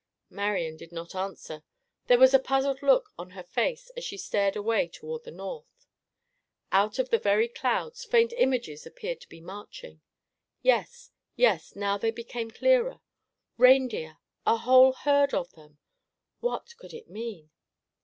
Marian did not answer. There was a puzzled look on her face as she stared away toward the north. Out of the very clouds faint images appeared to be marching. Yes, yes, now they became clearer. Reindeer—a whole herd of them. What could it mean?